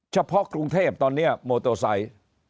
เฉพาะกรุงเทพตอนนี้มอเตอร์ไซค์